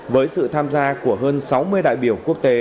với sự tham gia của hơn sáu mươi đại biểu quốc tế